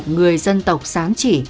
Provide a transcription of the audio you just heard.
người dân tộc sáng chỉ